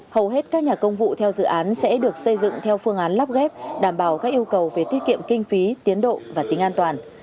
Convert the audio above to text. hầu hết các nhà công vụ theo dự án sẽ được xây dựng theo phương án lắp ghép đảm bảo các yêu cầu về tiết kiệm kinh phí tiến độ và tính an toàn